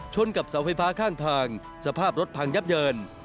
กับเสาไฟฟ้าข้างทางสภาพรถพังยับเยิน